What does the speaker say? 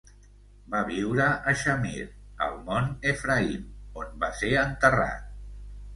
Va viure a Shamir, al Mont Ephraim, on va ser enterrat.